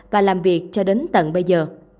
và làm việc cho đến tận bây giờ